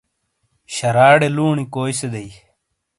شَرا ڑے لُونی کوئی سے دئیی؟